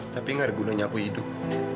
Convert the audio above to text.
tapi gak ada gunanya aku hidup